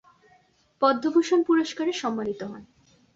পদ্মভূষণ পুরষ্কারে সম্মানিত হন।